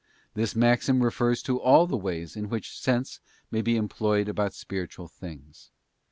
This maxim refers to all the ways in which sense may be employed about spiritual things.